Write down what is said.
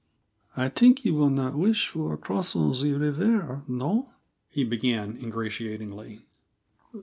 "I theenk you will not wish for cross on the reever, no?" he began ingratiatingly.